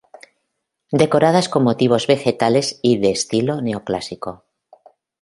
Decoradas con motivos vegetales y de estilo neoclásico.